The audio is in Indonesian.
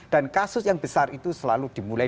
dan kasus yang besar itu selalu dimulai